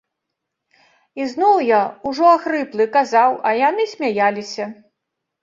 І зноў я, ужо ахрыплы, казаў, а яны смяяліся.